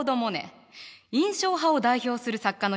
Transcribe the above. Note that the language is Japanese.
印象派を代表する作家の一人ね。